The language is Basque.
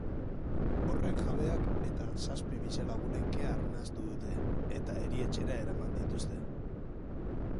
Horren jabeak eta zazpi bizilagunek kea arnastu dute eta erietxera eraman dituzte.